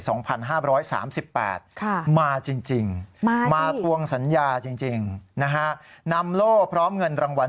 ค่ะมาจริงมาทวงสัญญาจริงนะฮะนำโล่พร้อมเงินรางวัล